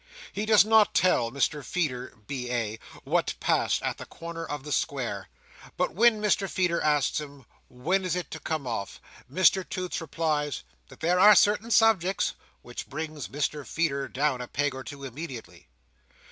He does not tell Mr Feeder, B.A., what passed at the corner of the Square; but when Mr Feeder asks him "When it is to come off?" Mr Toots replies, "that there are certain subjects"—which brings Mr Feeder down a peg or two immediately.